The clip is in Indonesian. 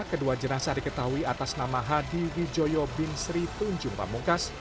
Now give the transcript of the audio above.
kedua jenasa diketahui atas nama hadi wijoyo bin sri tunjung pamungkas